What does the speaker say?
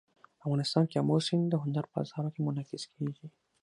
افغانستان کې آمو سیند د هنر په اثار کې منعکس کېږي.